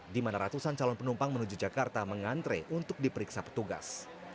di mana ratusan calon penumpang menuju jakarta mengantre untuk diperiksa petugas